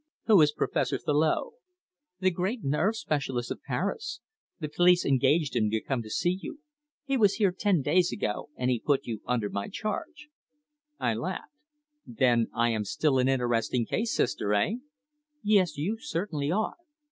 "Who is Professor Thillot?" "The great nerve specialist of Paris. The police engaged him to come to see you. He was here ten days ago, and he put you under my charge." I laughed. "Then I am still an interesting case, Sister eh?" "Yes. You certainly are."